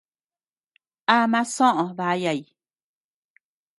Ama soʼö dayay.